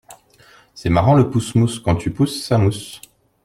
C'est marrant le pouss mouss. Quand tu pousses, ça mousse.